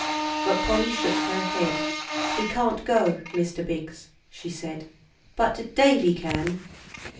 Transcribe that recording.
But Polly shook her head. "He can't go, Mr. Biggs," she said; "but Davie can."